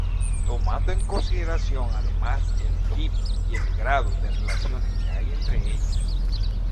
Tomando en consideración además el tipo y grado de relaciones que hay entre ellos.